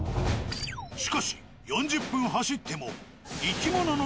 しかし４０分走っても。